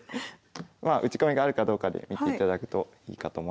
まあ打ち込みがあるかどうかで見ていただくといいかと思います。